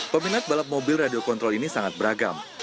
peminat balap mobil radio kontrol ini sangat beragam